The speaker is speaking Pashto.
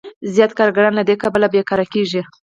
زیات کارګران له دې کبله بېکاره کېږي